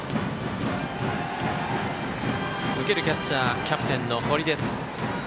受けるキャッチャーキャプテンの堀です。